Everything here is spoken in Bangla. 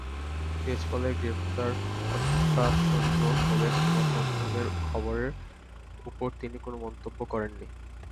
তেজপালের গ্রেপ্তার অত্যাসন্ন বলে সংবাদমাধ্যমের খবরের ওপর তিনি কোনো মন্তব্য করেননি।